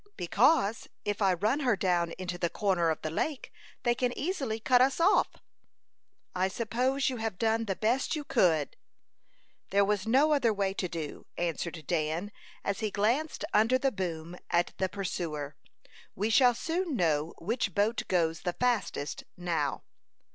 "Because, if I run her down into the corner of the lake, they can easily cut us off." "I suppose you have done the best you could." "There was no other way to do," answered Dan, as he glanced under the boom at the pursuer. "We shall soon know which boat goes the fastest now."